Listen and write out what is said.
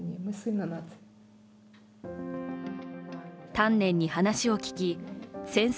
丹念に話を聞き戦争